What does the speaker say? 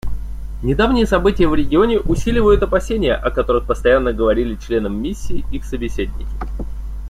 Недавние события в регионе усиливают опасения, о которых постоянно говорили членам миссии их собеседники.